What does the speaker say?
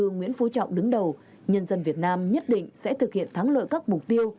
bí thư nguyễn phú trọng đứng đầu nhân dân việt nam nhất định sẽ thực hiện thắng lợi các mục tiêu